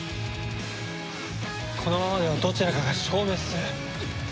このままではどちらかが消滅する。